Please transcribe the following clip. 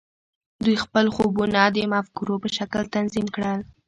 دوی خپل خوبونه د مفکورو په شکل تنظیم کړل